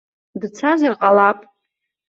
Дцазар ҟалап.